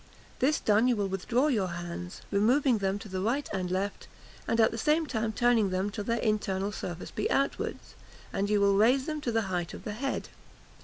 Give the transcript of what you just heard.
This done, you will withdraw your hands, removing them to the right and left; and at the same time turning them till their internal surface be outwards, and you will raise them to the height of the head.